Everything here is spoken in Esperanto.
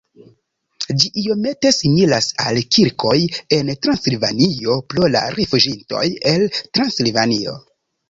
Ĝi iomete similas al kirkoj en Transilvanio pro la rifuĝintoj el Transilvanio.